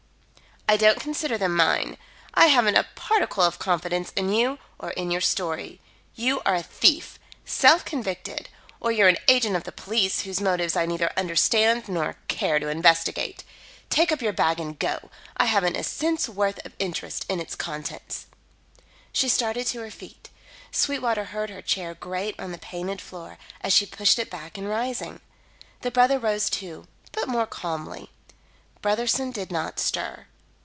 "I don't consider them mine. I haven't a particle of confidence in you or in your story. You are a thief self convicted; or you're an agent of the police whose motives I neither understand nor care to investigate. Take up your bag and go. I haven't a cent's worth of interest in its contents." She started to her feet. Sweetwater heard her chair grate on the painted floor, as she pushed it back in rising. The brother rose too, but more calmly. Brotherson did not stir.